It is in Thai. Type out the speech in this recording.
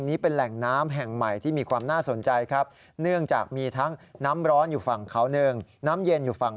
ทีเดียวได้๒บ่อนเลย